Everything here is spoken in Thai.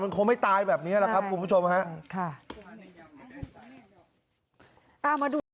คงไม่ตายแบบนี้แหละครับคุณผู้ชมฮะ